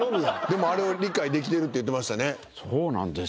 でもあれを理解できてるって言ってましたね。